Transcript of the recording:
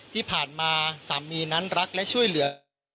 ที่ผ่านมาสามีนั้นรักและช่วยเหลือ